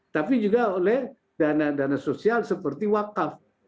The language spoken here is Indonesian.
tapi juga oleh dana dana sosial seperti wakaf